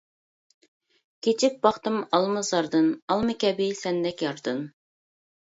كېچىپ باقتىم ئالمىزاردىن، ئالما كەبى سەندەك ياردىن.